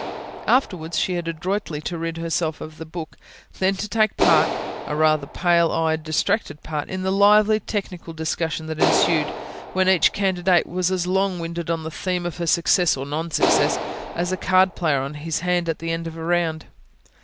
Afterwards she had adroitly to rid herself of the book, then to take part a rather pale eyed, distracted part in the lively technical discussions that ensued; when each candidate was as long winded on the theme of her success, or non success, as a card player on his hand at the end of a round.